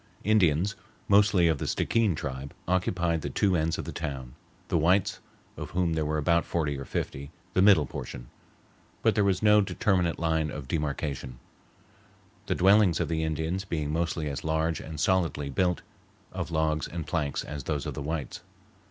Indians, mostly of the Stickeen tribe, occupied the two ends of the town, the whites, of whom there were about forty or fifty, the middle portion; but there was no determinate line of demarcation, the dwellings of the Indians being mostly as large and solidly built of logs and planks as those of the whites.